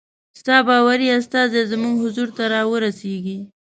ستا باوري استازی زموږ حضور ته را ورسیږي.